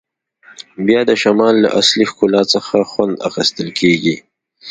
بیا د شمال له اصلي ښکلا څخه خوند اخیستل کیږي